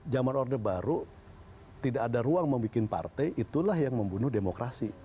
zaman order baru tidak ada ruang membuat partai itulah yang membunuh demokrasi